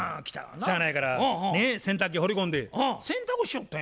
しゃあないから洗濯機放り込んで洗濯しよったんや。